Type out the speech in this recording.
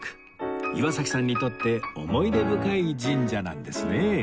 岩崎さんにとって思い出深い神社なんですね